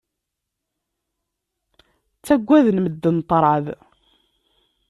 Ttagaden medden ṭṭṛad.